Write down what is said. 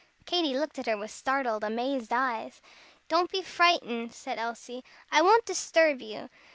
Katy looked at her with startled, amazed eyes. "Don't be frightened," said Elsie, "I won't disturb you.